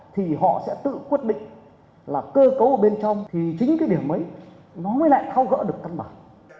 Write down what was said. thì họ sẽ tự quyết định là cơ cấu ở bên trong thì chính cái điểm ấy nó mới lại thao gỡ được căn bản